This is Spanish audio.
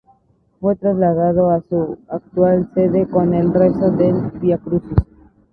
Fue trasladado a su actual sede con el rezo del Viacrucis.